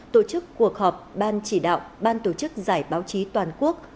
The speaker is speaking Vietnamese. tổ chức cuộc họp ban chỉ đạo ban tổ chức giải báo chí toàn quốc